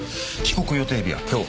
帰国予定日は今日。